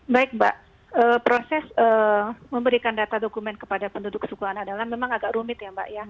baik mbak proses memberikan data dokumen kepada penduduk suku anak adalah memang agak rumit ya mbak ya